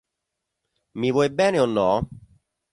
Mi vuoi bene o no?